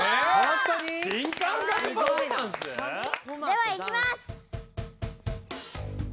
ではいきます！